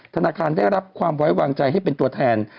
ธนาคารได้รับความไว้วางใจให้เป็นตัวแทน